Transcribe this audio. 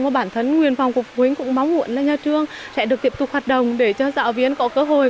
và bản thân nguyên vọng của phụ huynh cũng bóng muộn là nhà trường sẽ được tiếp tục hoạt động để cho giáo viên có cơ hội